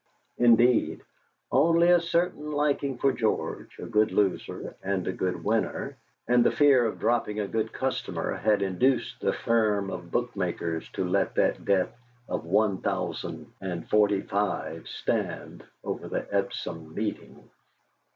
Indeed, only a certain liking for George, a good loser and a good winner, and the fear of dropping a good customer, had induced the firm of bookmakers to let that debt of one thousand and forty five stand over the Epsom Meeting.